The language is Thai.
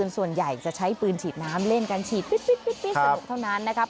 ส่วนใหญ่จะใช้ปืนฉีดน้ำเล่นกันฉีดปิ๊ดสนุกเท่านั้นนะครับ